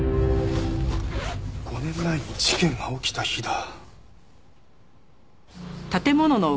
５年前に事件が起きた日だ。